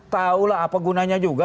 tau lah apa gunanya juga